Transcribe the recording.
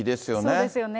そうですよね。